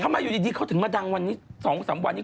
อยู่ดีเขาถึงมาดังวันนี้๒๓วันนี้